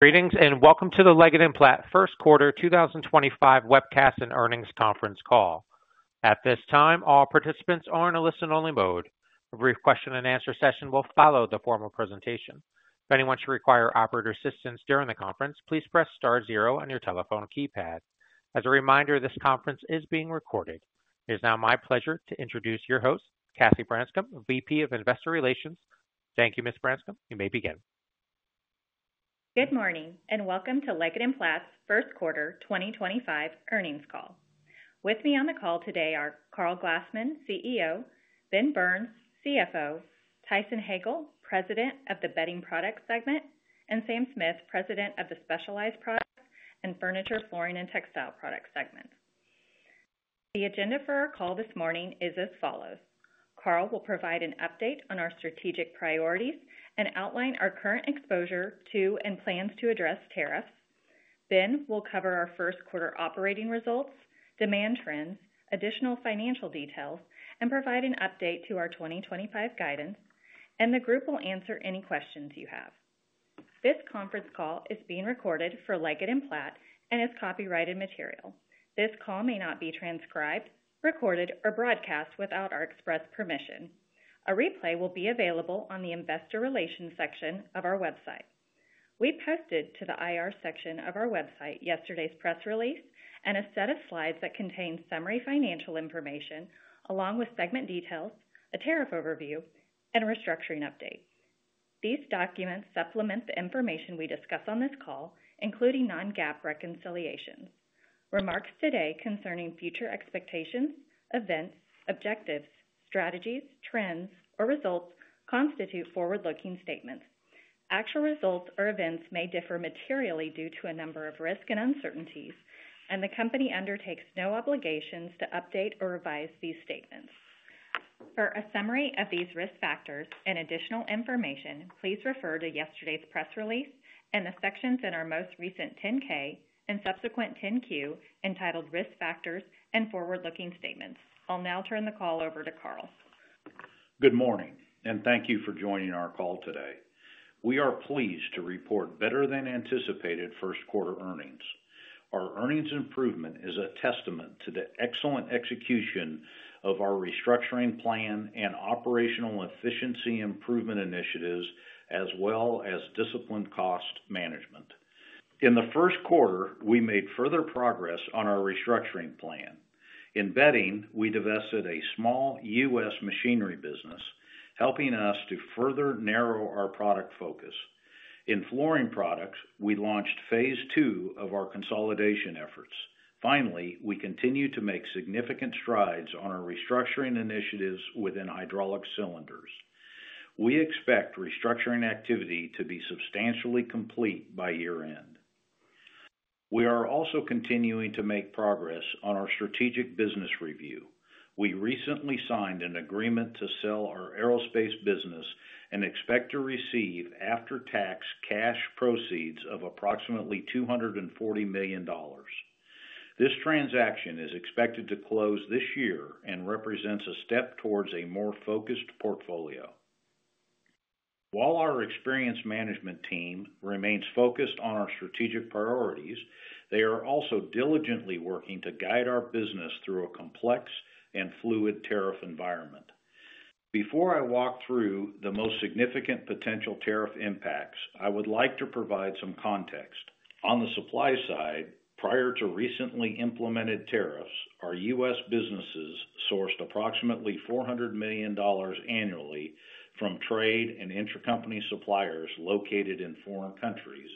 Greetings and welcome to the Leggett & Platt First Quarter 2025 Webcast and Earnings Conference call. At this time, all participants are in a listen-only mode. A brief question-and-answer session will follow the formal presentation. If anyone should require operator assistance during the conference, please press star zero on your telephone keypad. As a reminder, this conference is being recorded. It is now my pleasure to introduce your host, Cassie Branscum, VP of Investor Relations. Thank you, Ms. Branscum. You may begin. Good morning and welcome to Leggett & Platt's First Quarter 2025 earnings call. With me on the call today are Karl Glassman, CEO; Ben Burns, CFO; Tyson Hagale, President of the Bedding Products segment; and Sam Smith, President of the Specialized Products and Furniture, Flooring & Textile Products segment. The agenda for our call this morning is as follows: Karl will provide an update on our strategic priorities and outline our current exposure to and plans to address tariffs. Ben will cover our first quarter operating results, demand trends, additional financial details, and provide an update to our 2025 guidance. The group will answer any questions you have. This conference call is being recorded for Leggett & Platt and is copyrighted material. This call may not be transcribed, recorded, or broadcast without our express permission. A replay will be available on the Investor Relations section of our website. We posted to the IR section of our website yesterday's press release and a set of slides that contain summary financial information along with segment details, a tariff overview, and a restructuring update. These documents supplement the information we discuss on this call, including non-GAAP reconciliations. Remarks today concerning future expectations, events, objectives, strategies, trends, or results constitute forward-looking statements. Actual results or events may differ materially due to a number of risks and uncertainties, and the company undertakes no obligations to update or revise these statements. For a summary of these risk factors and additional information, please refer to yesterday's press release and the sections in our most recent 10-K and subsequent 10-Q entitled Risk Factors and Forward-Looking Statements. I'll now turn the call over to Karl. Good morning and thank you for joining our call today. We are pleased to report better-than-anticipated first quarter earnings. Our earnings improvement is a testament to the excellent execution of our restructuring plan and operational efficiency improvement initiatives, as well as disciplined cost management. In the first quarter, we made further progress on our restructuring plan. In bedding, we divested a small U.S. machinery business, helping us to further narrow our product focus. In Flooring Products, we launched phase two of our consolidation efforts. Finally, we continue to make significant strides on our restructuring initiatives within Hydraulic Cylinders. We expect restructuring activity to be substantially complete by year-end. We are also continuing to make progress on our strategic business review. We recently signed an agreement to sell our Aerospace business and expect to receive after-tax cash proceeds of approximately $240 million. This transaction is expected to close this year and represents a step towards a more focused portfolio. While our experienced management team remains focused on our strategic priorities, they are also diligently working to guide our business through a complex and fluid tariff environment. Before I walk through the most significant potential tariff impacts, I would like to provide some context. On the supply side, prior to recently implemented tariffs, our U.S. businesses sourced approximately $400 million annually from trade and intercompany suppliers located in foreign countries,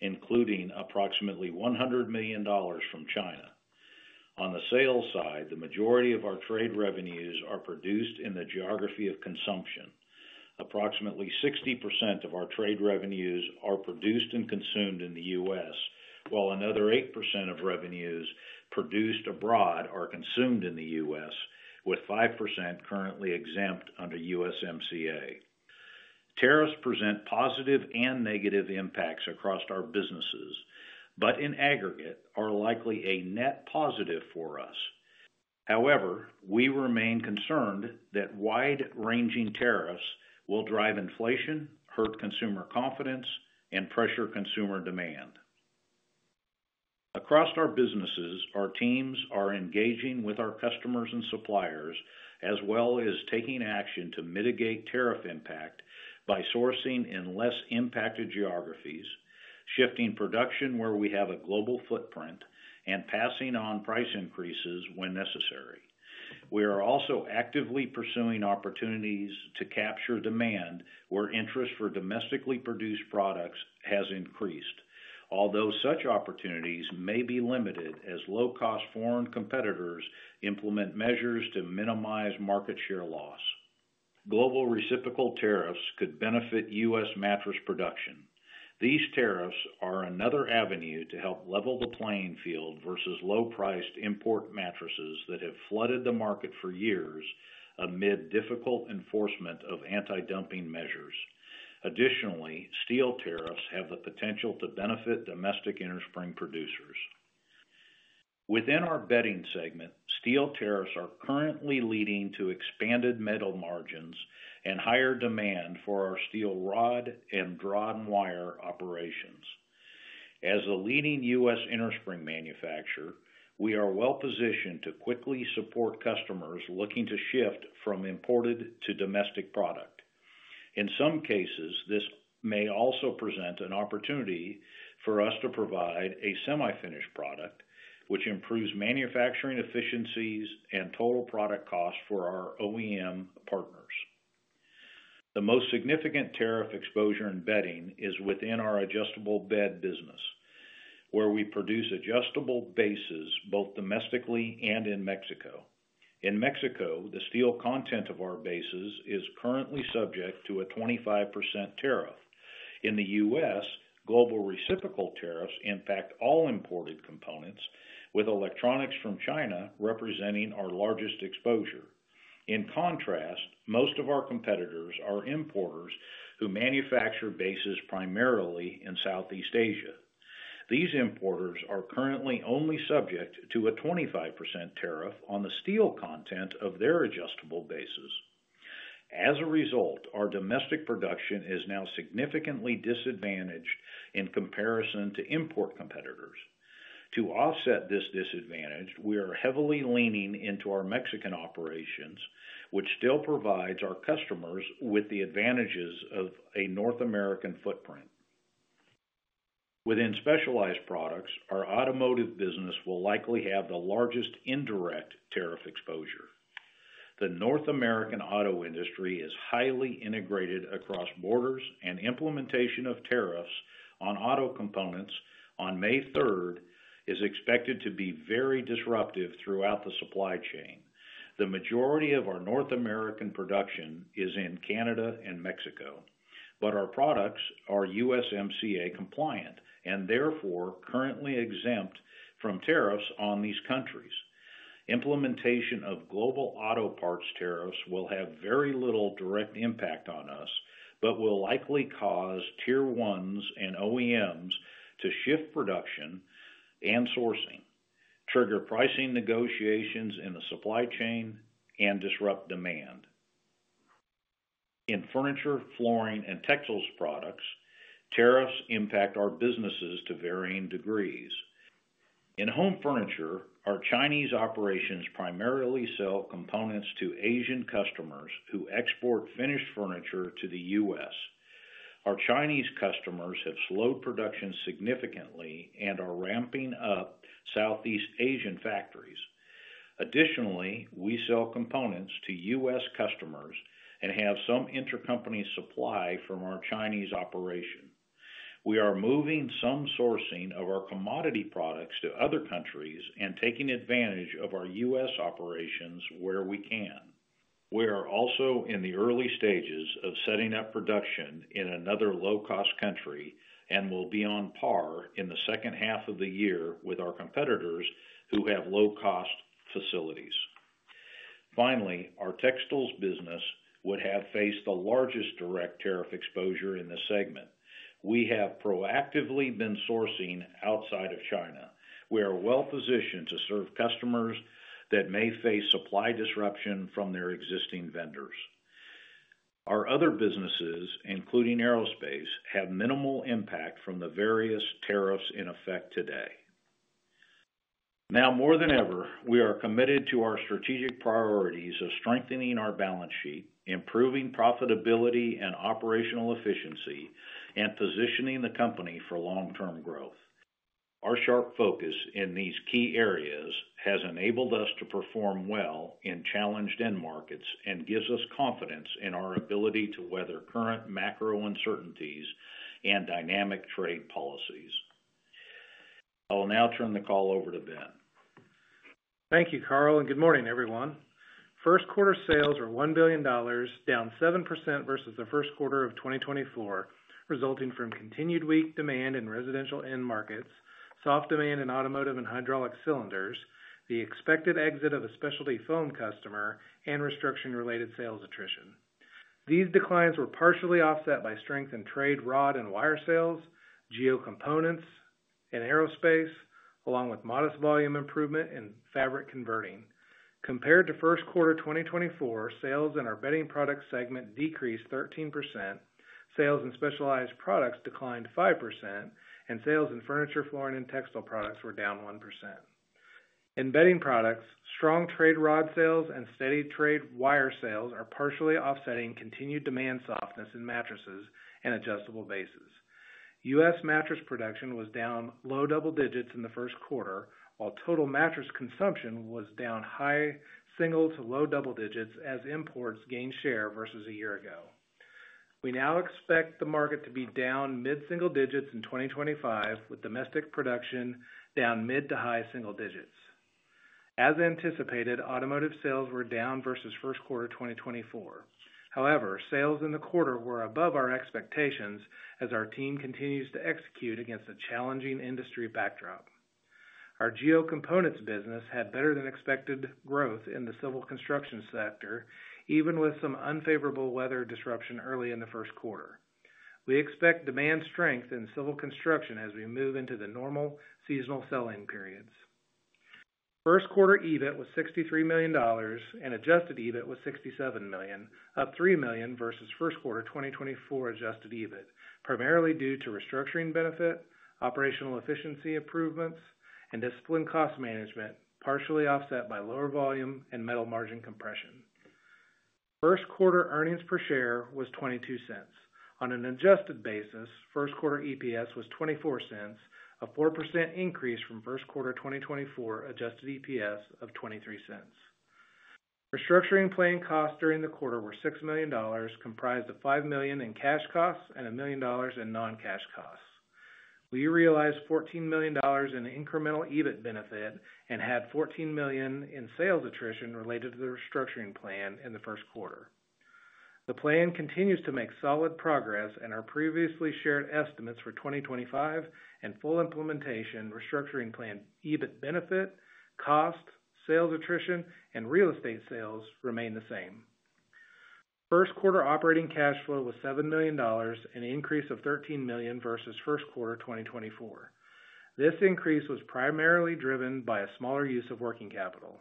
including approximately $100 million from China. On the sales side, the majority of our trade revenues are produced in the geography of consumption. Approximately 60% of our trade revenues are produced and consumed in the U.S., while another 8% of revenues produced abroad are consumed in the U.S., with 5% currently exempt under USMCA. Tariffs present positive and negative impacts across our businesses, but in aggregate, are likely a net positive for us. However, we remain concerned that wide-ranging tariffs will drive inflation, hurt consumer confidence, and pressure consumer demand. Across our businesses, our teams are engaging with our customers and suppliers, as well as taking action to mitigate tariff impact by sourcing in less impacted geographies, shifting production where we have a global footprint, and passing on price increases when necessary. We are also actively pursuing opportunities to capture demand where interest for domestically produced products has increased, although such opportunities may be limited as low-cost foreign competitors implement measures to minimize market share loss. Global reciprocal tariffs could benefit U.S. Mattress production. These tariffs are another avenue to help level the playing field versus low-priced import mattresses that have flooded the market for years amid difficult enforcement of anti-dumping measures. Additionally, steel tariffs have the potential to benefit domestic innerspring producers. Within our Bedding segment, steel tariffs are currently leading to expanded metal margins and higher demand for our steel rod and drawn wire operations. As a leading U.S. innerspring manufacturer, we are well-positioned to quickly support customers looking to shift from imported to domestic product. In some cases, this may also present an opportunity for us to provide a semi-finished product, which improves manufacturing efficiencies and total product costs for our OEM partners. The most significant tariff exposure in Bedding is within our adjustable bed business, where we produce adjustable bases both domestically and in Mexico. In Mexico, the steel content of our bases is currently subject to a 25% tariff. In the U.S., global reciprocal tariffs impact all imported components, with electronics from China representing our largest exposure. In contrast, most of our competitors are importers who manufacture bases primarily in Southeast Asia. These importers are currently only subject to a 25% tariff on the steel content of their adjustable bases. As a result, our domestic production is now significantly disadvantaged in comparison to import competitors. To offset this disadvantage, we are heavily leaning into our Mexican operations, which still provides our customers with the advantages of a North American footprint. Within Specialized Products, our Automotive business will likely have the largest indirect tariff exposure. The North American auto industry is highly integrated across borders, and implementation of tariffs on auto components on May 3rd is expected to be very disruptive throughout the supply chain. The majority of our North American production is in Canada and Mexico, but our products are USMCA compliant and therefore currently exempt from tariffs on these countries. Implementation of global auto parts tariffs will have very little direct impact on us, but will likely cause Tier 1s and OEMs to shift production and sourcing, trigger pricing negotiations in the supply chain, and disrupt demand. In Furniture, Flooring & Textile Products, tariffs impact our businesses to varying degrees. In Home Furniture, our Chinese operations primarily sell components to Asian customers who export finished furniture to the U.S. Our Chinese customers have slowed production significantly and are ramping up Southeast Asian factories. Additionally, we sell components to U.S. customers and have some intercompany supply from our Chinese operation. We are moving some sourcing of our commodity products to other countries and taking advantage of our U.S. operations where we can. We are also in the early stages of setting up production in another low-cost country and will be on par in the second half of the year with our competitors who have low-cost facilities. Finally, our Textiles business would have faced the largest direct tariff exposure in the segment. We have proactively been sourcing outside of China. We are well-positioned to serve customers that may face supply disruption from their existing vendors. Our other businesses, including Aerospace, have minimal impact from the various tariffs in effect today. Now, more than ever, we are committed to our strategic priorities of strengthening our balance sheet, improving profitability and operational efficiency, and positioning the company for long-term growth. Our sharp focus in these key areas has enabled us to perform well in challenged end markets and gives us confidence in our ability to weather current macro uncertainties and dynamic trade policies. I'll now turn the call over to Ben. Thank you, Karl, and good morning, everyone. First quarter sales are $1 billion, down 7% versus the first quarter of 2024, resulting from continued weak demand in residential end markets, soft demand in automotive and Hydraulic Cylinders, the expected exit of a specialty foam customer, and restriction-related sales attrition. These declines were partially offset by strength in trade rod and wire sales, Geo Components, and Aerospace, along with modest volume improvement in fabric converting. Compared to first quarter 2024, sales in our Bedding Products segment decreased 13%, sales in Specialized Products declined 5%, and sales in Furniture, Flooring & Textile Products were down 1%. In Bedding Products, strong trade rod sales and steady trade wire sales are partially offsetting continued demand softness in mattresses and adjustable bases. U.S. Mattress production was down low double digits in the first quarter, while total mattress consumption was down high single to low double digits as imports gained share versus a year ago. We now expect the market to be down mid-single digits in 2025, with domestic production down mid to high single digits. As anticipated, automotive sales were down versus first quarter 2024. However, sales in the quarter were above our expectations as our team continues to execute against a challenging industry backdrop. Our Geo Components business had better-than-expected growth in the civil construction sector, even with some unfavorable weather disruption early in the first quarter. We expect demand strength in civil construction as we move into the normal seasonal selling periods. First quarter EBIT was $63 million, and adjusted EBIT was $67 million, up $3 million versus first quarter 2024 adjusted EBIT, primarily due to restructuring benefit, operational efficiency improvements, and disciplined cost management, partially offset by lower volume and metal margin compression. First quarter earnings per share was $0.22. On an adjusted basis, first quarter EPS was $0.24, a 4% increase from first quarter 2024 adjusted EPS of $0.23. Restructuring plan costs during the quarter were $6 million, comprised of $5 million in cash costs and $1 million in non-cash costs. We realized $14 million in incremental EBIT benefit and had $14 million in sales attrition related to the restructuring plan in the first quarter. The plan continues to make solid progress, and our previously shared estimates for 2025 and full implementation restructuring plan EBIT benefit, cost, sales attrition, and real estate sales remain the same. First quarter operating cash flow was $7 million, an increase of $13 million versus first quarter 2024. This increase was primarily driven by a smaller use of working capital.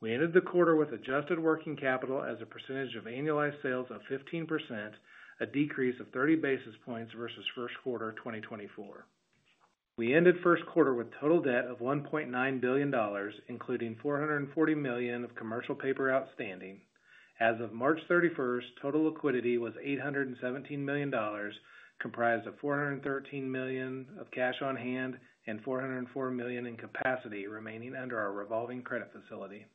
We ended the quarter with adjusted working capital as a percentage of annualized sales of 15%, a decrease of 30 basis points versus first quarter 2024. We ended first quarter with total debt of $1.9 billion, including $440 million of commercial paper outstanding. As of March 31, total liquidity was $817 million, comprised of $413 million of cash on hand and $404 million in capacity remaining under our revolving credit facility.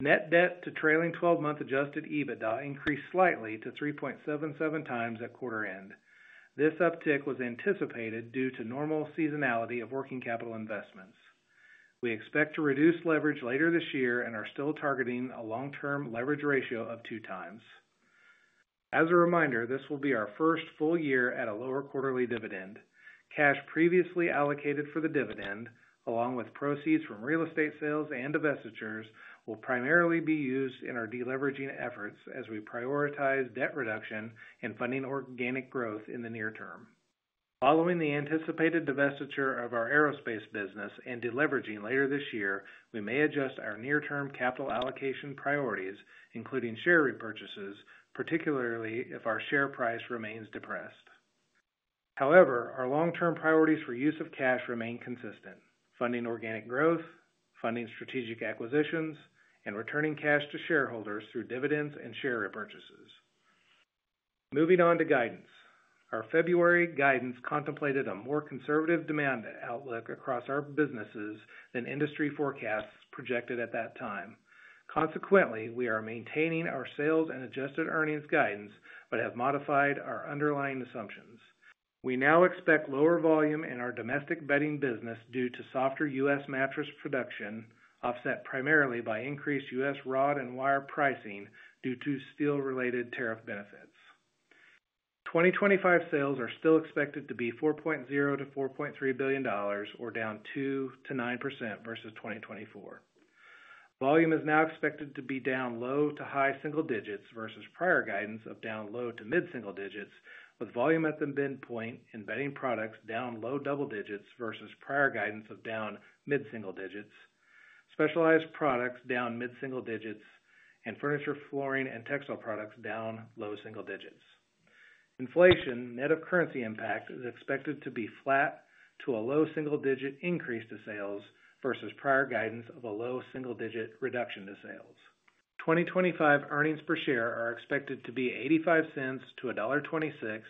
Net debt to trailing 12-month adjusted EBITDA increased slightly to 3.77 times at quarter end. This uptick was anticipated due to normal seasonality of working capital investments. We expect to reduce leverage later this year and are still targeting a long-term leverage ratio of two times. As a reminder, this will be our first full year at a lower quarterly dividend. Cash previously allocated for the dividend, along with proceeds from real estate sales and divestitures, will primarily be used in our deleveraging efforts as we prioritize debt reduction and funding organic growth in the near term. Following the anticipated divestiture of our Aerospace business and deleveraging later this year, we may adjust our near-term capital allocation priorities, including share repurchases, particularly if our share price remains depressed. However, our long-term priorities for use of cash remain consistent: funding organic growth, funding strategic acquisitions, and returning cash to shareholders through dividends and share repurchases. Moving on to guidance. Our February guidance contemplated a more conservative demand outlook across our businesses than industry forecasts projected at that time. Consequently, we are maintaining our sales and adjusted earnings guidance but have modified our underlying assumptions. We now expect lower volume in our domestic Bedding business due to softer U.S. mattress production, offset primarily by increased U.S. rod and wire pricing due to steel-related tariff benefits. 2025 sales are still expected to be $4.0 billion-$4.3 billion, or down 2%-9% versus 2024. Volume is now expected to be down low to high single digits versus prior guidance of down low to mid-single digits, with volume at the midpoint in Bedding Products down low double digits versus prior guidance of down mid-single digits, Specialized Products down mid-single digits, and Furniture, Flooring & Textile Products down low single digits. Inflation, net of currency impact, is expected to be flat to a low single-digit increase to sales versus prior guidance of a low single-digit reduction to sales. 2025 earnings per share are expected to be $0.85-$1.26,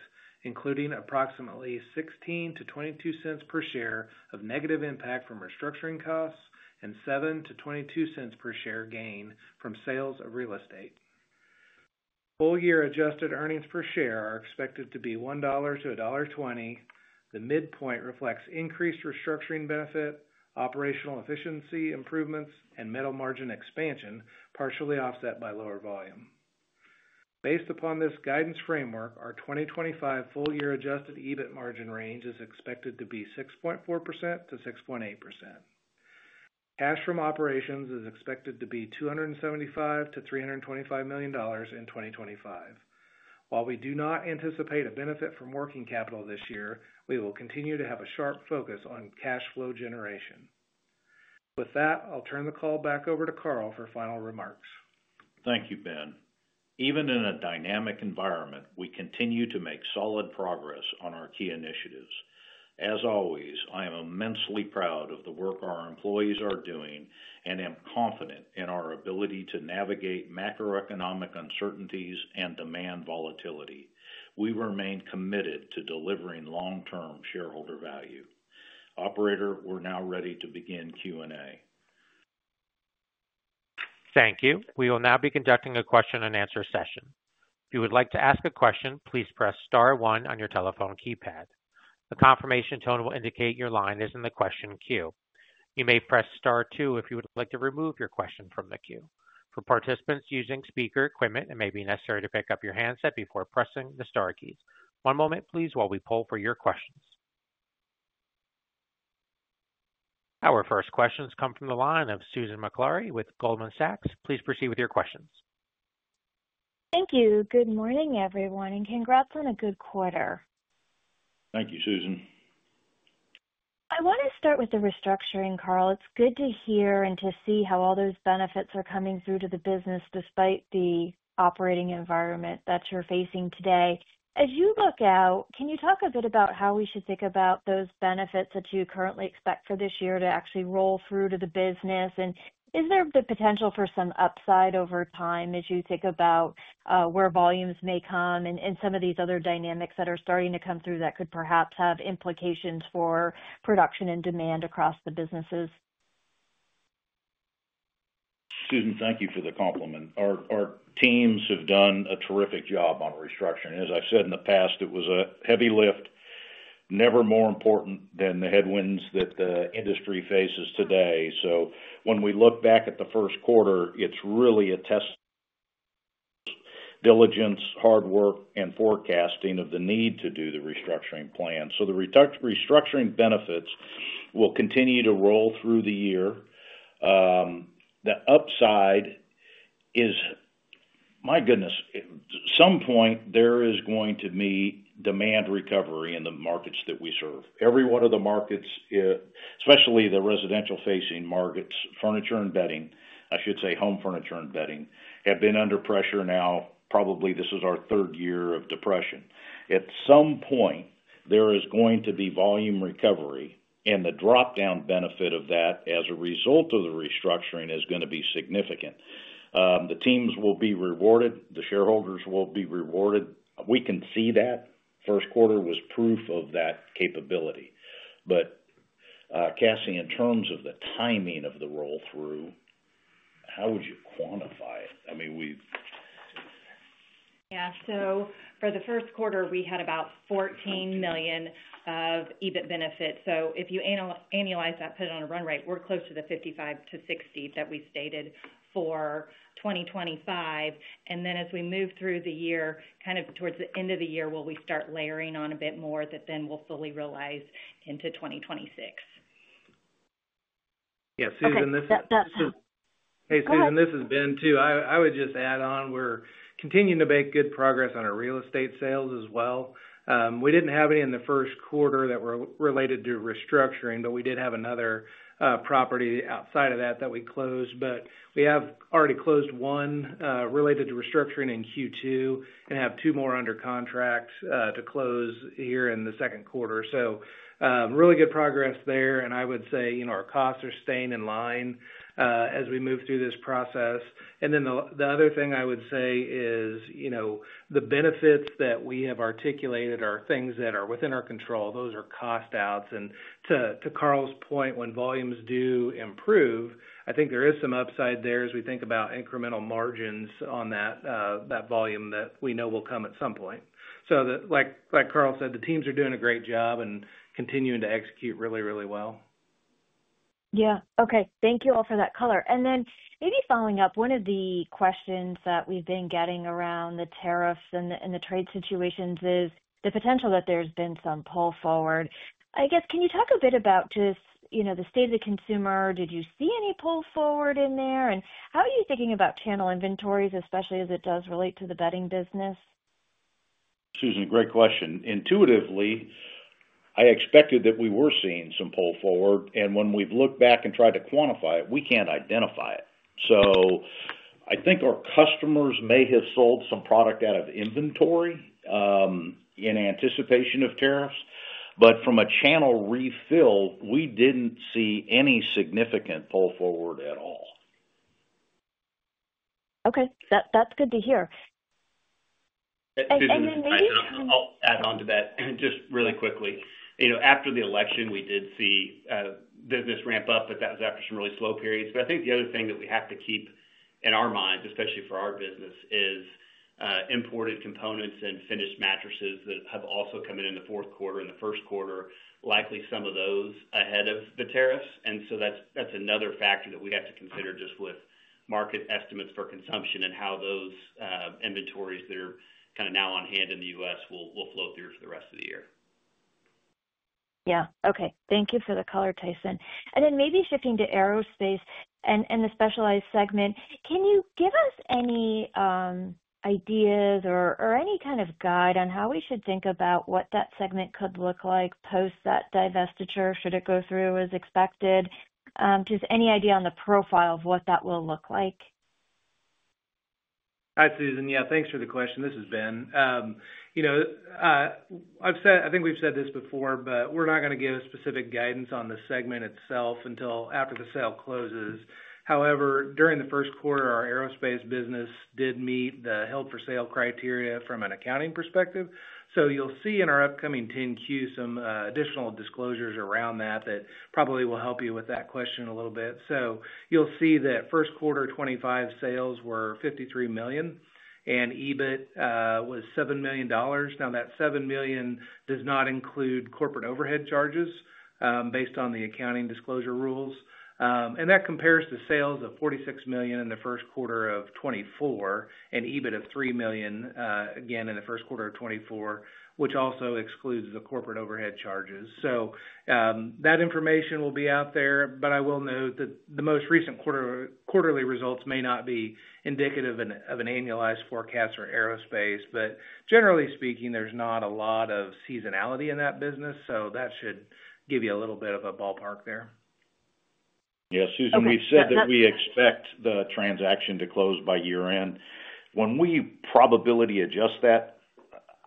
including approximately $0.16-$0.22 per share of negative impact from restructuring costs and $0.07-$0.22 per share gain from sales of real estate. Full-year adjusted earnings per share are expected to be $1-$1.20. The midpoint reflects increased restructuring benefit, operational efficiency improvements, and metal margin expansion, partially offset by lower volume. Based upon this guidance framework, our 2025 full-year adjusted EBIT margin range is expected to be 6.4%-6.8%. Cash from operations is expected to be $275-$325 million in 2025. While we do not anticipate a benefit from working capital this year, we will continue to have a sharp focus on cash flow generation. With that, I'll turn the call back over to Karl for final remarks. Thank you, Ben. Even in a dynamic environment, we continue to make solid progress on our key initiatives. As always, I am immensely proud of the work our employees are doing and am confident in our ability to navigate macroeconomic uncertainties and demand volatility. We remain committed to delivering long-term shareholder value. Operator, we're now ready to begin Q&A. Thank you. We will now be conducting a question-and-answer session. If you would like to ask a question, please press star one on your telephone keypad. The confirmation tone will indicate your line is in the question queue. You may press star two if you would like to remove your question from the queue. For participants using speaker equipment, it may be necessary to pick up your handset before pressing the star keys. One moment, please, while we pull for your questions. Our first questions come from the line of Susan Maklari with Goldman Sachs. Please proceed with your questions. Thank you. Good morning, everyone, and congrats on a good quarter. Thank you, Susan. I want to start with the restructuring, Karl. It's good to hear and to see how all those benefits are coming through to the business despite the operating environment that you're facing today. As you look out, can you talk a bit about how we should think about those benefits that you currently expect for this year to actually roll through to the business? Is there the potential for some upside over time as you think about where volumes may come and some of these other dynamics that are starting to come through that could perhaps have implications for production and demand across the businesses? Susan, thank you for the compliment. Our teams have done a terrific job on restructuring. As I've said in the past, it was a heavy lift, never more important than the headwinds that the industry faces today. When we look back at the first quarter, it's really a test of diligence, hard work, and forecasting of the need to do the restructuring plan. The restructuring benefits will continue to roll through the year. The upside is, my goodness, at some point, there is going to be demand recovery in the markets that we serve. Every one of the markets, especially the residential-facing markets, furniture and bedding, I should say Home Furniture and Bedding, have been under pressure now. Probably this is our third year of depression. At some point, there is going to be volume recovery, and the dropdown benefit of that as a result of the restructuring is going to be significant. The teams will be rewarded. The shareholders will be rewarded. We can see that. First quarter was proof of that capability. Cassie, in terms of the timing of the roll-through, how would you quantify it? I mean, we. Yeah. For the first quarter, we had about $14 million of EBIT benefit. If you annualize that, put it on a run rate, we're close to the $55-$60 million that we stated for 2025. As we move through the year, kind of towards the end of the year, will we start layering on a bit more that then we'll fully realize into 2026? Yeah, Susan, this is. That's. Hey, Susan, this is Ben too. I would just add on, we're continuing to make good progress on our real estate sales as well. We did not have any in the first quarter that were related to restructuring, but we did have another property outside of that that we closed. We have already closed one related to restructuring in Q2 and have two more under contract to close here in the second quarter. Really good progress there. I would say our costs are staying in line as we move through this process. The other thing I would say is the benefits that we have articulated are things that are within our control. Those are cost outs. To Karl's point, when volumes do improve, I think there is some upside there as we think about incremental margins on that volume that we know will come at some point. Like Karl said, the teams are doing a great job and continuing to execute really, really well. Yeah. Okay. Thank you all for that color. Maybe following up, one of the questions that we've been getting around the tariffs and the trade situations is the potential that there's been some pull forward. I guess, can you talk a bit about just the state of the consumer? Did you see any pull forward in there? How are you thinking about channel inventories, especially as it does relate to the Bedding business? Susan, great question. Intuitively, I expected that we were seeing some pull forward. When we've looked back and tried to quantify it, we can't identify it. I think our customers may have sold some product out of inventory in anticipation of tariffs. From a channel refill, we didn't see any significant pull forward at all. Okay. That's good to hear. Maybe. I'll add on to that just really quickly. After the election, we did see business ramp up, but that was after some really slow periods. I think the other thing that we have to keep in our minds, especially for our business, is imported components and finished mattresses that have also come in in the fourth quarter and the first quarter, likely some of those ahead of the tariffs. That is another factor that we have to consider just with market estimates for consumption and how those inventories that are kind of now on hand in the U.S. will flow through for the rest of the year. Yeah. Okay. Thank you for the color, Tyson. Maybe shifting to Aerospace and the Specialized segment, can you give us any ideas or any kind of guide on how we should think about what that segment could look like post that divestiture? Should it go through as expected? Just any idea on the profile of what that will look like? Hi, Susan. Yeah, thanks for the question. This is Ben. I think we've said this before, but we're not going to give specific guidance on the segment itself until after the sale closes. However, during the first quarter, our Aerospace business did meet the held-for-sale criteria from an accounting perspective. You will see in our upcoming 10Q some additional disclosures around that that probably will help you with that question a little bit. You will see that first quarter 2025 sales were $53 million, and EBIT was $7 million. Now, that $7 million does not include corporate overhead charges based on the accounting disclosure rules. That compares to sales of $46 million in the first quarter of 2024 and EBIT of $3 million again in the first quarter of 2024, which also excludes the corporate overhead charges. That information will be out there. I will note that the most recent quarterly results may not be indicative of an annualized forecast for Aerospace. Generally speaking, there is not a lot of seasonality in that business. That should give you a little bit of a ballpark there. Yeah, Susan, we said that we expect the transaction to close by year-end. When we probability adjust that,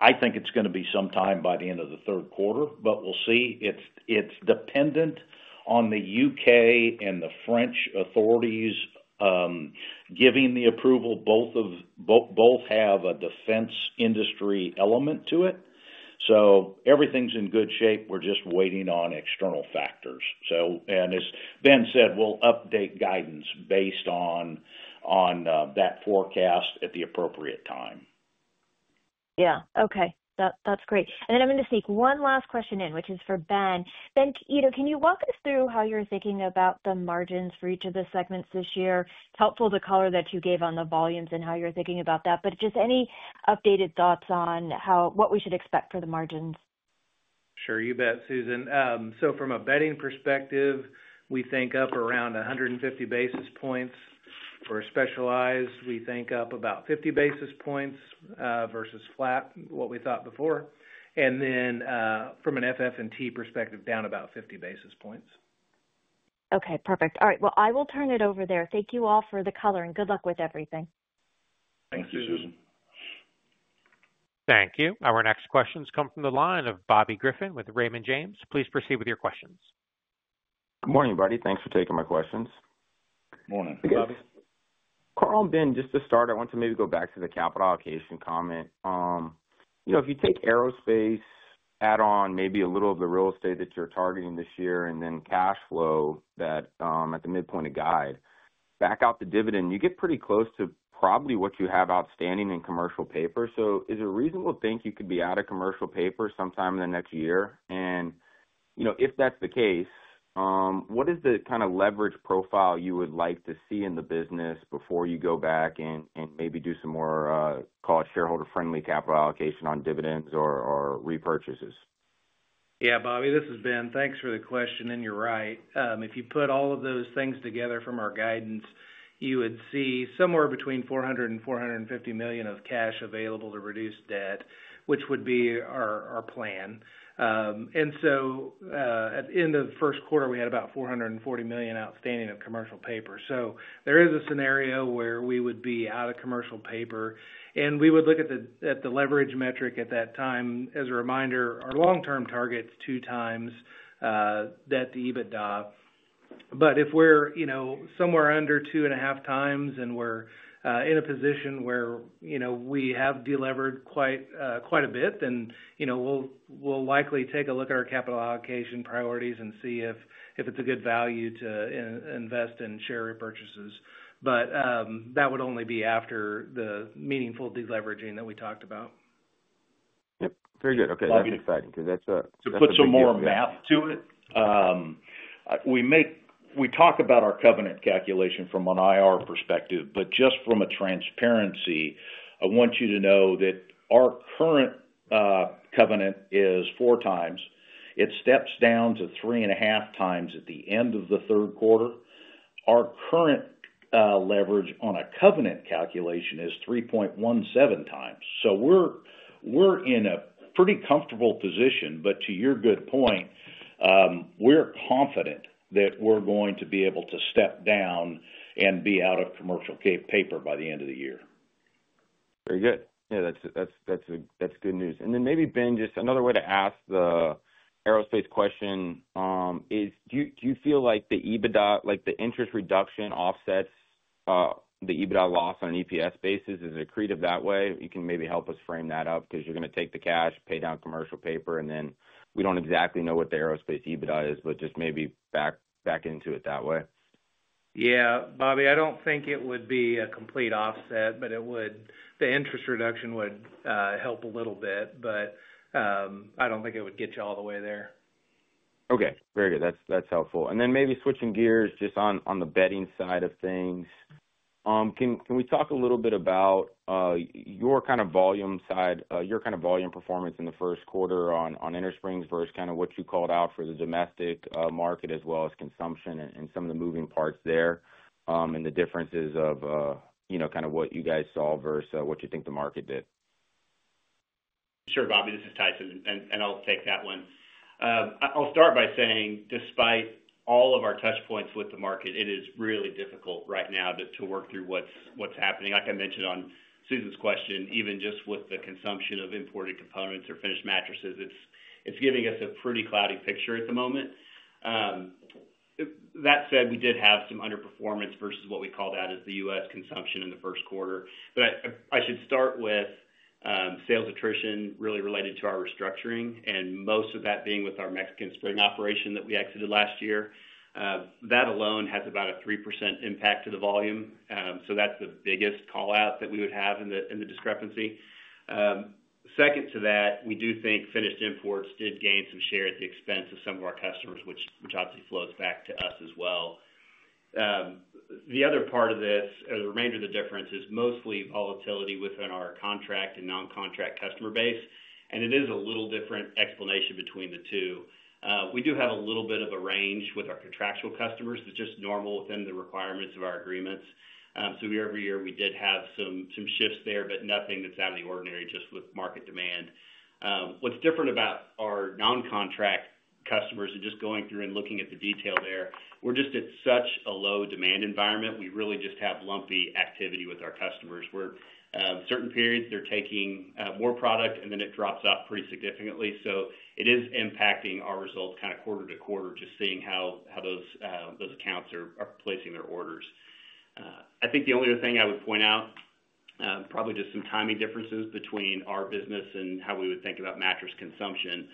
I think it's going to be sometime by the end of the third quarter, but we'll see. It is dependent on the U.K. and the French authorities giving the approval. Both have a defense industry element to it. Everything's in good shape. We're just waiting on external factors. As Ben said, we'll update guidance based on that forecast at the appropriate time. Yeah. Okay. That's great. I am going to sneak one last question in, which is for Ben. Ben, can you walk us through how you're thinking about the margins for each of the segments this year? It's helpful, the color that you gave on the volumes and how you're thinking about that. Just any updated thoughts on what we should expect for the margins? Sure. You bet, Susan. From a Bedding perspective, we think up around 150 basis points. For Specialized, we think up about 50 basis points versus flat, what we thought before. From an FF&T perspective, down about 50 basis points. Okay. Perfect. All right. I will turn it over there. Thank you all for the color, and good luck with everything. Thank you, Susan. Thank you. Our next questions come from the line of Bobby Griffin with Raymond James. Please proceed with your questions. Good morning, everybody. Thanks for taking my questions. Good morning. Hey, Bobby. Karl and Ben, just to start, I want to maybe go back to the capital allocation comment. If you take Aerospace, add on maybe a little of the real estate that you're targeting this year, and then cash flow that at the midpoint of guide, back out the dividend, you get pretty close to probably what you have outstanding in commercial paper. Is it a reasonable think you could be out of commercial paper sometime in the next year? If that's the case, what is the kind of leverage profile you would like to see in the business before you go back and maybe do some more, call it, shareholder-friendly capital allocation on dividends or repurchases? Yeah, Bobby, this is Ben. Thanks for the question. You're right. If you put all of those things together from our guidance, you would see somewhere between $400 million and $450 million of cash available to reduce debt, which would be our plan. At the end of the first quarter, we had about $440 million outstanding of commercial paper. There is a scenario where we would be out of commercial paper. We would look at the leverage metric at that time. As a reminder, our long-term target is two times the EBITDA. If we're somewhere under two and a half times and we're in a position where we have delivered quite a bit, then we'll likely take a look at our capital allocation priorities and see if it's a good value to invest in share repurchases. That would only be after the meaningful deleveraging that we talked about. Yep. Very good. Okay. That's exciting because that's a. To put some more math to it, we talk about our covenant calculation from an IR perspective. But just from a transparency, I want you to know that our current covenant is four times. It steps down to three and a half times at the end of the third quarter. Our current leverage on a covenant calculation is 3.17 times. So we're in a pretty comfortable position. But to your good point, we're confident that we're going to be able to step down and be out of commercial paper by the end of the year. Very good. Yeah, that's good news. Maybe, Ben, just another way to ask the Aerospace question is, do you feel like the interest reduction offsets the EBITDA loss on an EPS basis? Is it accretive that way? You can maybe help us frame that up because you're going to take the cash, pay down commercial paper, and then we do not exactly know what the Aerospace EBITDA is, but just maybe back into it that way. Yeah. Bobby, I do not think it would be a complete offset, but the interest reduction would help a little bit. I do not think it would get you all the way there. Okay. Very good. That's helpful. Maybe switching gears just on the Bedding side of things, can we talk a little bit about your kind of volume side, your kind of volume performance in the first quarter on innersprings versus kind of what you called out for the domestic market as well as consumption and some of the moving parts there and the differences of kind of what you guys saw versus what you think the market did? Sure, Bobby. This is Tyson, and I'll take that one. I'll start by saying, despite all of our touchpoints with the market, it is really difficult right now to work through what's happening. Like I mentioned on Susan's question, even just with the consumption of imported components or finished mattresses, it's giving us a pretty cloudy picture at the moment. That said, we did have some underperformance versus what we call that as the U.S. consumption in the first quarter. I should start with sales attrition really related to our restructuring and most of that being with our Mexican Spring operation that we exited last year. That alone has about a 3% impact to the volume. That's the biggest callout that we would have in the discrepancy. Second to that, we do think finished imports did gain some share at the expense of some of our customers, which obviously flows back to us as well. The other part of this, or the remainder of the difference, is mostly volatility within our contract and non-contract customer base. It is a little different explanation between the two. We do have a little bit of a range with our contractual customers. It is just normal within the requirements of our agreements. Every year we did have some shifts there, but nothing that is out of the ordinary just with market demand. What is different about our non-contract customers and just going through and looking at the detail there, we are just at such a low demand environment. We really just have lumpy activity with our customers. Certain periods, they are taking more product, and then it drops off pretty significantly. It is impacting our results kind of quarter to quarter, just seeing how those accounts are placing their orders. I think the only other thing I would point out, probably just some timing differences between our business and how we would think about mattress consumption.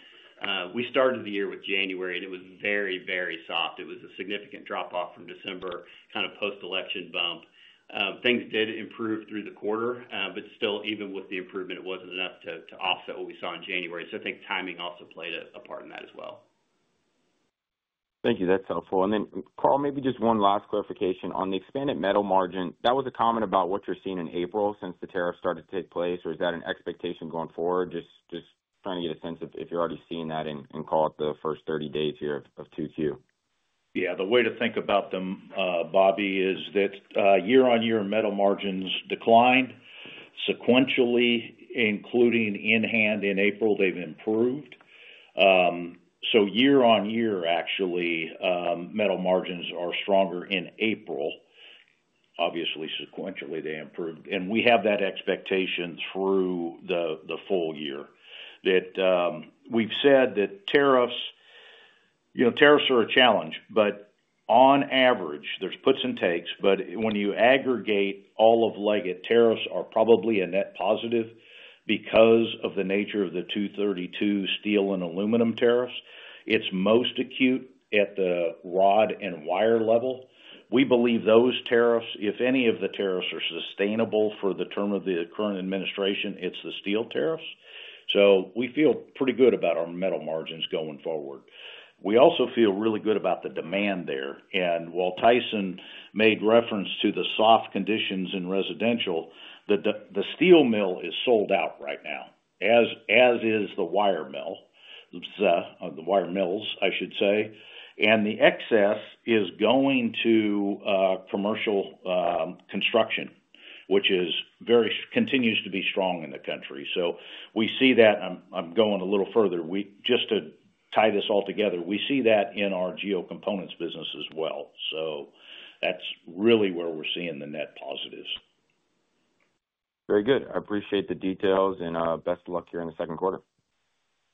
We started the year with January, and it was very, very soft. It was a significant drop-off from December, kind of post-election bump. Things did improve through the quarter, but still, even with the improvement, it was not enough to offset what we saw in January. I think timing also played a part in that as well. Thank you. That's helpful. Karl, maybe just one last clarification on the expanded metal margin. That was a comment about what you're seeing in April since the tariff started to take place, or is that an expectation going forward? Just trying to get a sense of if you're already seeing that in, call it, the first 30 days here of 2Q. Yeah. The way to think about them, Bobby, is that year-on-year metal margins declined. Sequentially, including in hand in April, they've improved. So year-on-year, actually, metal margins are stronger in April. Obviously, sequentially, they improved. We have that expectation through the full year that we've said that tariffs are a challenge. On average, there's puts and takes. When you aggregate all of Leggett & Platt, tariffs are probably a net positive because of the nature of the 232 steel and aluminum tariffs. It's most acute at the rod and wire level. We believe those tariffs, if any of the tariffs are sustainable for the term of the current administration, it's the steel tariffs. We feel pretty good about our metal margins going forward. We also feel really good about the demand there. While Tyson made reference to the soft conditions in residential, the steel mill is sold out right now, as is the wire mill, the wire mills, I should say. The excess is going to commercial construction, which continues to be strong in the country. We see that. I'm going a little further. Just to tie this all together, we see that in our Geo Components business as well. That's really where we're seeing the net positives. Very good. I appreciate the details, and best of luck here in the second quarter.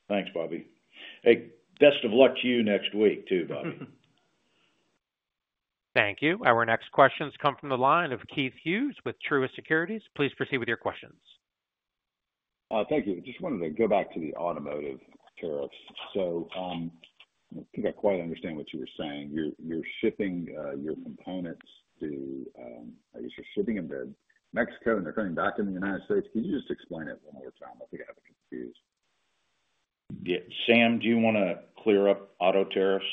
Thanks, Bobby. Hey, best of luck to you next week too, Bobby. Thank you. Our next questions come from the line of Keith Hughes with Truist Securities. Please proceed with your questions. Thank you. Just wanted to go back to the automotive tariffs. I think I quite understand what you were saying. You're shipping your components to, I guess, you're shipping them to Mexico, and they're coming back in the United States. Could you just explain it one more time? I think I have it confused. Sam, do you want to clear up auto tariffs?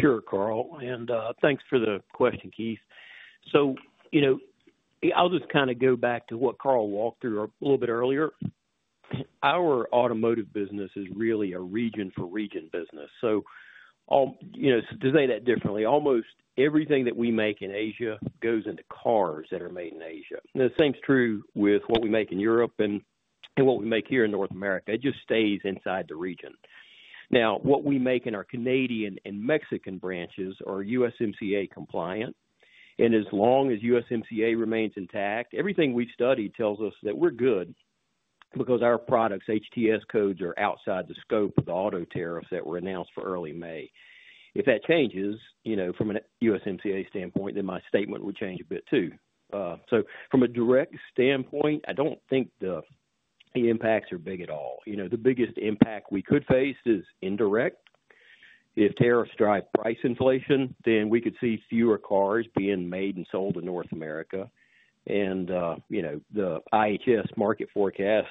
Sure, Karl. Thanks for the question, Keith. I'll just kind of go back to what Karl walked through a little bit earlier. Our Automotive business is really a region-for-region business. To say that differently, almost everything that we make in Asia goes into cars that are made in Asia. The same is true with what we make in Europe and what we make here in North America. It just stays inside the region. What we make in our Canadian and Mexican branches are USMCA compliant. As long as USMCA remains intact, everything we've studied tells us that we're good because our products, HTS codes, are outside the scope of the auto tariffs that were announced for early May. If that changes from a USMCA standpoint, then my statement would change a bit too. From a direct standpoint, I do not think the impacts are big at all. The biggest impact we could face is indirect. If tariffs drive price inflation, then we could see fewer cars being made and sold in North America. The IHS Markit forecast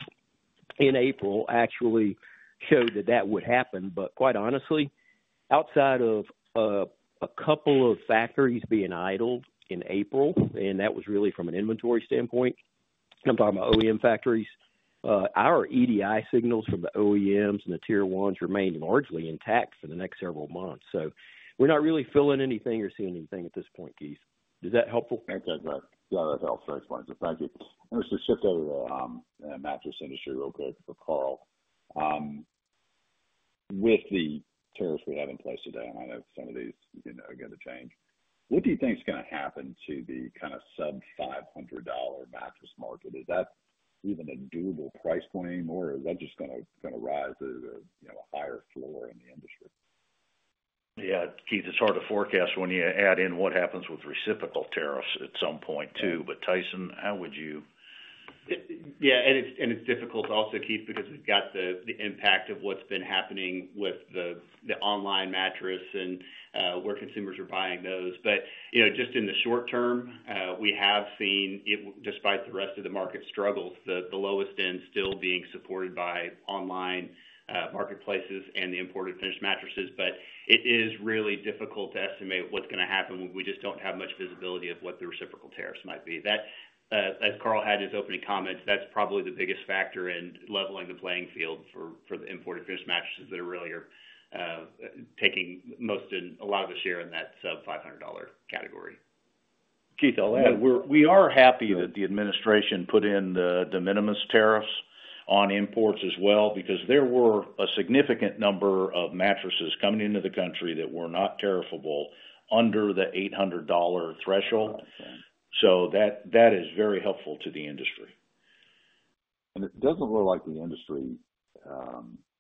in April actually showed that that would happen. Quite honestly, outside of a couple of factories being idled in April, and that was really from an inventory standpoint, I am talking about OEM factories, our EDI signals from the OEMs and the Tier 1s remain largely intact for the next several months. We are not really feeling anything or seeing anything at this point, Keith. Is that helpful? That does help. Thanks, Branscum. Thank you. I'm just going to shift over to the mattress industry real quick for Karl. With the tariffs we have in place today, and I know some of these are going to change, what do you think is going to happen to the kind of sub-$500 mattress market? Is that even a doable price point anymore, or is that just going to rise to a higher floor in the industry? Yeah, Keith, it's hard to forecast when you add in what happens with reciprocal tariffs at some point too. Tyson, how would you? Yeah. It is difficult also, Keith, because we've got the impact of what's been happening with the online mattress and where consumers are buying those. Just in the short term, we have seen, despite the rest of the market's struggles, the lowest end still being supported by online marketplaces and the imported finished mattresses. It is really difficult to estimate what's going to happen when we just don't have much visibility of what the reciprocal tariffs might be. As Karl had in his opening comments, that's probably the biggest factor in leveling the playing field for the imported finished mattresses that are really taking most and a lot of the share in that sub-$500 category. Keith, I'll add, we are happy that the administration put in the de minimis tariffs on imports as well because there were a significant number of mattresses coming into the country that were not tariffable under the $800 threshold. That is very helpful to the industry. It does not look like the industry,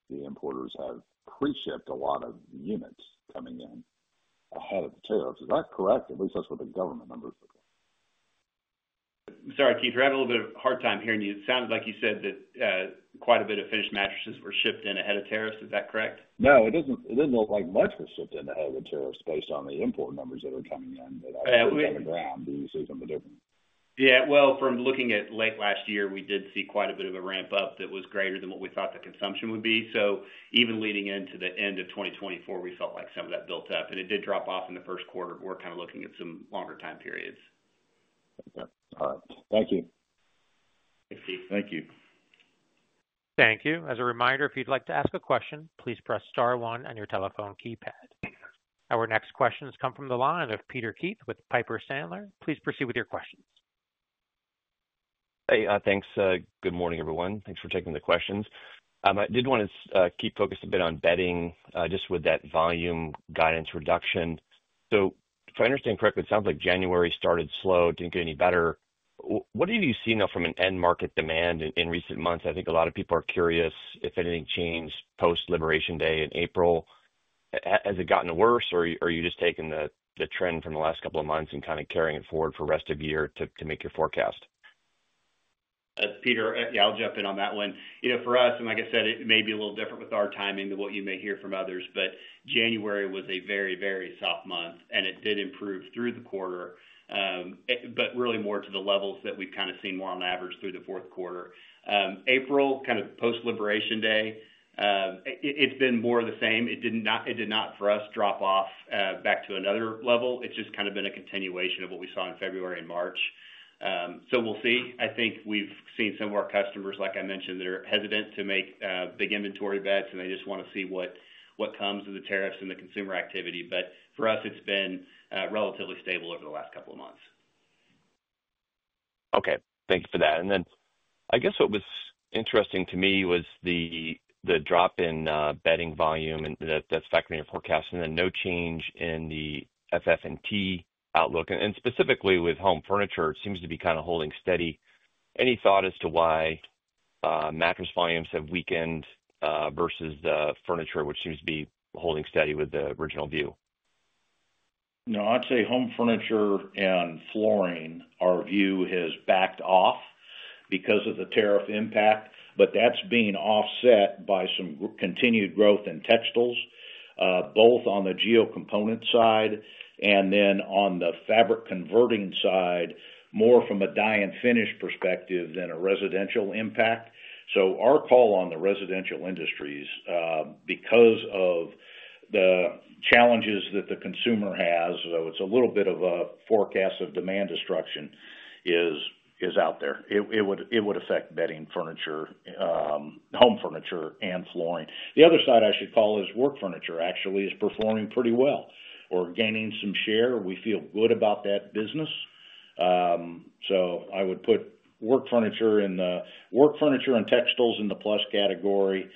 the importers have pre-shipped a lot of units coming in ahead of the tariffs. Is that correct? At least that is what the government numbers look like. Sorry, Keith, we're having a little bit of a hard time hearing you. It sounded like you said that quite a bit of finished mattresses were shipped in ahead of tariffs. Is that correct? No, it doesn't look like much was shipped in ahead of the tariffs based on the import numbers that are coming in that are on the ground. You see some of the difference. Yeah. From looking at late last year, we did see quite a bit of a ramp up that was greater than what we thought the consumption would be. So even leading into the end of 2024, we felt like some of that built up. And it did drop off in the first quarter. We're kind of looking at some longer time periods. Okay. All right. Thank you. Thanks, Keith. Thank you. Thank you. As a reminder, if you'd like to ask a question, please press star one on your telephone keypad. Our next questions come from the line of Peter Keith with Piper Sandler. Please proceed with your questions. Hey, thanks. Good morning, everyone. Thanks for taking the questions. I did want to keep focused a bit on Bedding just with that volume guidance reduction. If I understand correctly, it sounds like January started slow, did not get any better. What have you seen from an end market demand in recent months? I think a lot of people are curious if anything changed post-liberation day in April. Has it gotten worse, or are you just taking the trend from the last couple of months and kind of carrying it forward for the rest of the year to make your forecast? Peter, yeah, I'll jump in on that one. For us, and like I said, it may be a little different with our timing than what you may hear from others, but January was a very, very soft month, and it did improve through the quarter, but really more to the levels that we've kind of seen more on average through the fourth quarter. April, kind of post-Liberation Day, it's been more of the same. It did not, for us, drop off back to another level. It's just kind of been a continuation of what we saw in February and March. We will see. I think we've seen some of our customers, like I mentioned, that are hesitant to make big inventory beds, and they just want to see what comes of the tariffs and the consumer activity. For us, it's been relatively stable over the last couple of months. Okay. Thank you for that. I guess what was interesting to me was the drop in Bedding volume that's factored in your forecast and then no change in the FF&T outlook. Specifically with Home Furniture, it seems to be kind of holding steady. Any thought as to why mattress volumes have weakened versus the furniture, which seems to be holding steady with the original view? No, I'd say Home Furniture and Flooring, our view has backed off because of the tariff impact, but that's being offset by some continued growth in Textiles, both on the Geo Components side and then on the fabric converting side, more from a dye and finish perspective than a residential impact. Our call on the residential industries, because of the challenges that the consumer has, is a little bit of a forecast of demand destruction that is out there. It would affect Bedding Furniture, Home Furniture, and Flooring. The other side I should call is Work Furniture actually is performing pretty well or gaining some share. We feel good about that business. I would put Work Furniture and Textiles in the plus category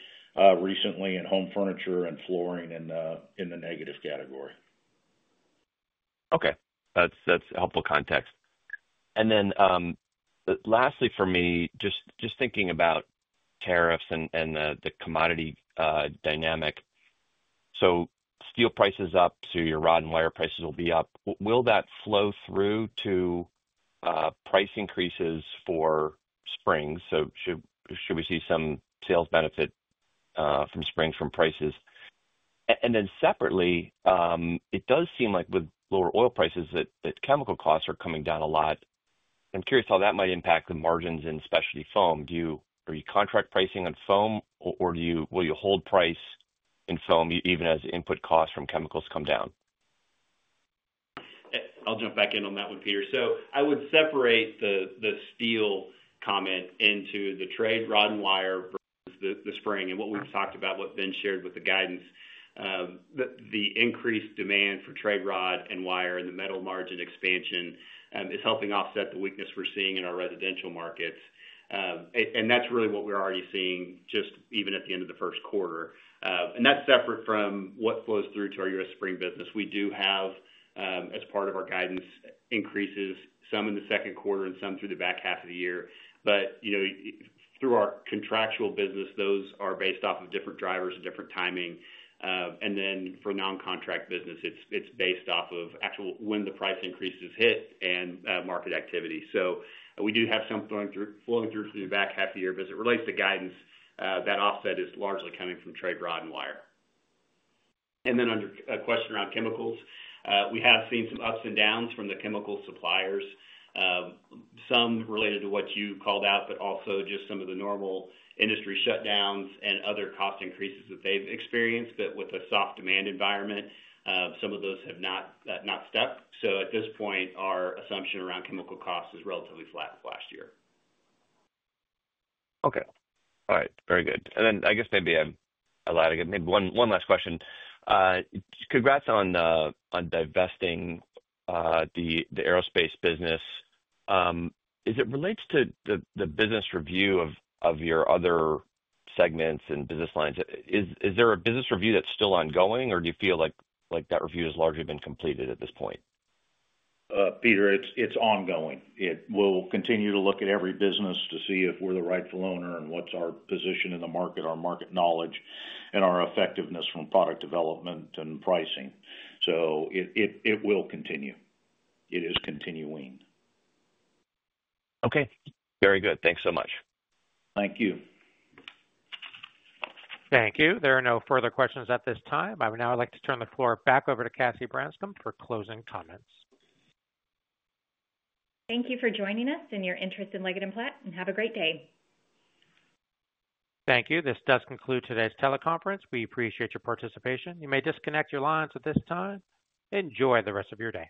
recently and Home Furniture and Flooring in the negative category. Okay. That is helpful context. Lastly for me, just thinking about tariffs and the commodity dynamic. Steel prices are up, so your rod and wire prices will be up. Will that flow through to price increases for springs? Should we see some sales benefit from springs from prices? Separately, it does seem like with lower oil prices, chemical costs are coming down a lot. I am curious how that might impact the margins in specialty foam. Are you contract pricing on foam, or will you hold price in foam even as input costs from chemicals come down? I'll jump back in on that one, Peter. I would separate the steel comment into the trade rod and wire versus the spring. What we've talked about, what Ben shared with the guidance, the increased demand for trade rod and wire and the metal margin expansion is helping offset the weakness we're seeing in our residential markets. That's really what we're already seeing just even at the end of the first quarter. That's separate from what flows through to our U.S. Spring business. We do have, as part of our guidance, increases, some in the second quarter and some through the back half of the year. Through our contractual business, those are based off of different drivers and different timing. For non-contract business, it's based off of actual when the price increases hit and market activity. We do have some flowing through the back half of the year, but as it relates to guidance, that offset is largely coming from trade rod and wire. Then under a question around chemicals, we have seen some ups and downs from the chemical suppliers, some related to what you called out, but also just some of the normal industry shutdowns and other cost increases that they have experienced. With a soft demand environment, some of those have not stepped. At this point, our assumption around chemical costs is relatively flat with last year. Okay. All right. Very good. I guess maybe I'm allowing to get maybe one last question. Congrats on divesting the Aerospace business. As it relates to the business review of your other segments and business lines, is there a business review that's still ongoing, or do you feel like that review has largely been completed at this point? Peter, it's ongoing. We'll continue to look at every business to see if we're the rightful owner and what's our position in the market, our market knowledge, and our effectiveness from product development and pricing. It will continue. It is continuing. Okay. Very good. Thanks so much. Thank you. Thank you. There are no further questions at this time. I would now like to turn the floor back over to Cassie Branscum for closing comments. Thank you for joining us and your interest in Leggett & Platt, and have a great day. Thank you. This does conclude today's teleconference. We appreciate your participation. You may disconnect your lines at this time. Enjoy the rest of your day.